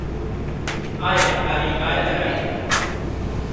ایا اریګی لرئ؟